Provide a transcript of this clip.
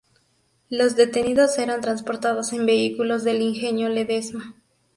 Los detenidos eran transportados en vehículos del Ingenio Ledesma.